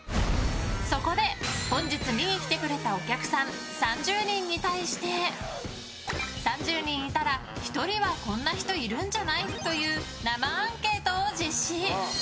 そこで本日、見にきてくれたお客さん３０人に対して３０人いたら１人はこんな人いるんじゃない？という生アンケートを実施。